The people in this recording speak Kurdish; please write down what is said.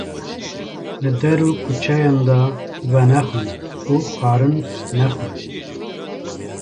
Li der û kuçeyan de venexwin û xwarin nexwin